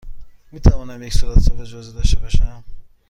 می توانم یک صورتحساب جزئی داشته باشم؟